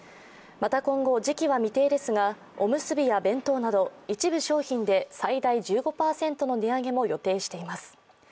また今後、時期は未定ですが、おむすびや弁当など一部商品で最大１５％の値上げも予定しています。